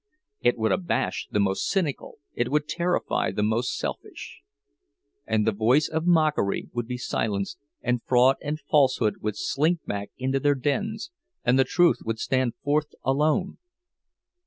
It would abash the most cynical, it would terrify the most selfish; and the voice of mockery would be silenced, and fraud and falsehood would slink back into their dens, and the truth would stand forth alone!